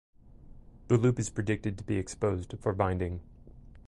The loop is predicted to be exposed for binding.